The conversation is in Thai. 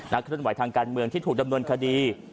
เคลื่อนไหวทางการเมืองที่ถูกดำเนินคดี